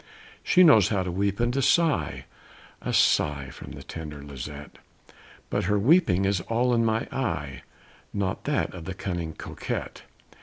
"She knows how to weep and to sigh" (A sigh from the tender Lisette), "But her weeping is all in my eye Not that of the cunning Coquette!